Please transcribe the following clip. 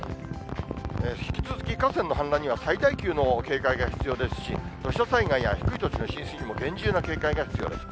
引き続き河川の氾濫には最大級の警戒が必要ですし、土砂災害や低い土地の浸水にも厳重な警戒が必要です。